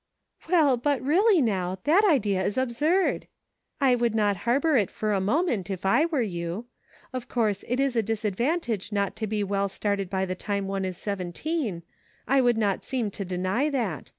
" Well, but really, now, that idea is absurd ; I would not harbor it for a moment, if I were you. Of course, it is a disadvantage not to be well started 122 ENERGY .AND FORCE. by the time one is seventeen ; I would not seem to deny that.